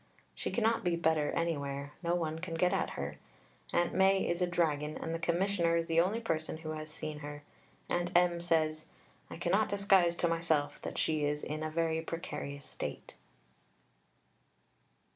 She cannot be better anywhere, no one can get at her; Aunt Mai is a dragon, and the Commissioner is the only person who has seen her. Aunt M. says, "I cannot disguise to myself that she is in a very precarious state."